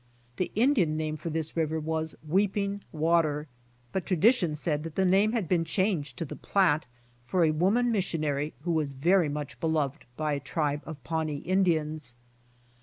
The Indian name for this river was "Weeping Water," but tradition said that the name had been changed to Platte for a woman missionary who was very much beloved by a tribe of Pawnee Indians.